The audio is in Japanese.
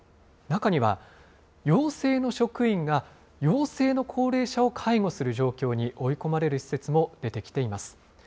中には、陽性の職員が陽性の高齢者を介護する状況に追い込まれる施設も出てきています。